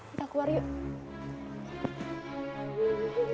kita keluar yuk